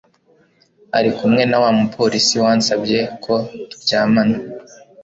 ari kumwe na wa mu polisi wansabye ko turyamana